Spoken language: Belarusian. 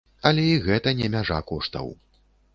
Але і гэта не мяжа коштаў.